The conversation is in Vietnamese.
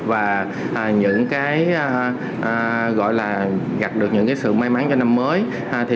và gặp được những sự may mắn cho năm mới